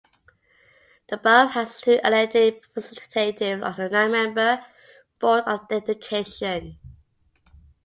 The borough has two elected representatives on the nine-member Board of Education.